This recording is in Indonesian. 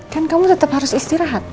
kan kamu tetap harus istirahat